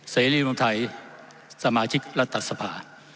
เสรีรินมัมไทยสมาชิกรัฐตักษภา